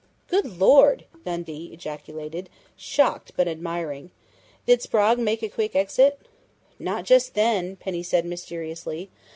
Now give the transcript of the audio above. '" "Good Lord!" Dundee ejaculated, shocked but admiring. "Did Sprague make a quick exit?" "Not just then," Penny said mysteriously.